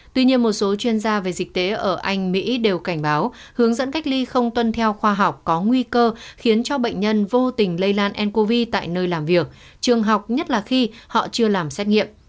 tuy nhiên một số chuyên gia về dịch tế ở anh mỹ đều cảnh báo hướng dẫn cách ly không tuân theo khoa học có nguy cơ khiến cho bệnh nhân vô tình lây lan ncov tại nơi làm việc trường học nhất là khi họ chưa làm xét nghiệm